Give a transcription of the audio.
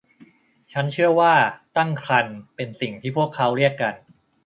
ฉันเชื่อว่าตั้งครรภ์เป็นสิ่งที่พวกเขาเรียกกัน